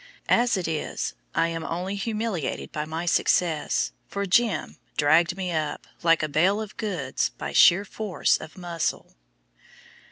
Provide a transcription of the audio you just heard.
As it is, I am only humiliated by my success, for "Jim" dragged me up, like a bale of goods, by sheer force of muscle.